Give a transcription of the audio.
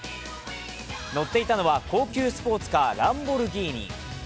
乗っていたのは高級スポーツカーランボルギーニ。